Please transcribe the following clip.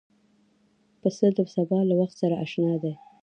پسه د سبا له وخت سره اشنا دی.